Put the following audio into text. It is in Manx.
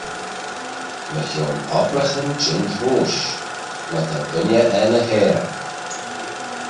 Mychione obbraghyn jeant roish my ta dooinney er ny heyrey.